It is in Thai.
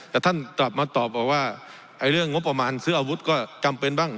แต่ท่านกลับมาตอบบอกว่าเรื่องงบประมาณซื้ออาวุธก็จำเป็นบ้าง